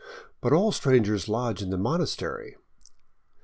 " But all strangers lodge in the monastery."